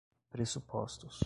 pressupostos